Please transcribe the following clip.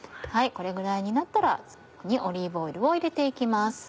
これぐらいになったらオリーブオイルを入れて行きます。